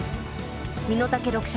身の丈六尺。